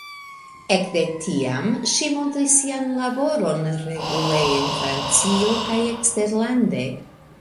Ekde tiam, ŝi montris sian laboron regule en Francio kaj eksterlande.